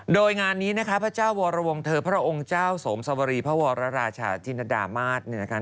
โดยงานนี้พระเจ้าโวรวงเถอร์พระองค์เจ้าสมศวรีพระวรราชาธินดามาลตร์